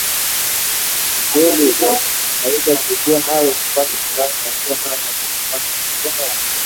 ni kweli naweza nikaungana nae kwa upande fulani naungana nae lakini kwa upande mwengine